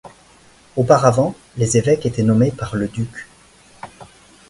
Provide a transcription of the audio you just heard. Auparavant, les évêques étaient nommés par le duc.